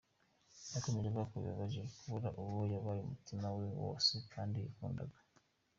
Yakomeje avuga ko bibabaje kubura uwo yahaye umutima we wose, kandi yakundaga.